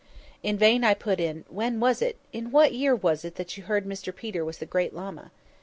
In vain I put in "When was it—in what year was it that you heard that Mr Peter was the Great Lama?"